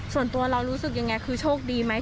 ส่วนตัวเรารู้สึกยังไงคือโชคดีไหม